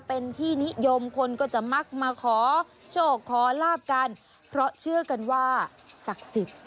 เป็นที่นิยมคนก็จะมักมาขอโชคขอลาบกันเพราะเชื่อกันว่าศักดิ์สิทธิ์